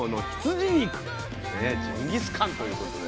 ジンギスカンということで。